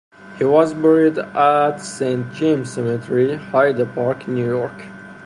He was buried at Saint James Cemetery, Hyde Park, New York.